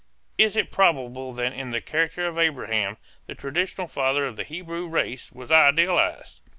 Is it probable that in the character of Abraham the traditional father of the Hebrew race was idealized?